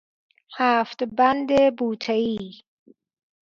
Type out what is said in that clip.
هفت بند بوته ای